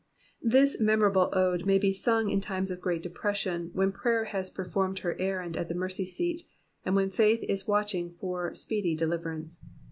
This memorable ode may be sung in times of great depression, when prayer has performed her errand at the mercy seat, and when faith is watching for speedy deliverance.